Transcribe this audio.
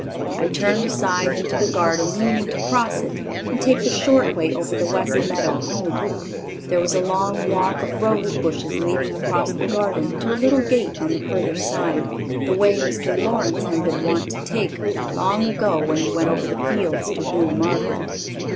I turned aside into the garden, meaning to cross it, and take the short way over the west meadow home. There was a long walk of rose bushes leading across the garden to a little gate on the further side ... the way Mr. Lawrence had been wont to take long ago when he went over the fields to woo Margaret.